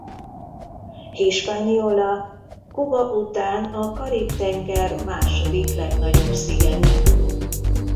Hispaniola Kuba után a Karib-tenger második legnagyobb szigete.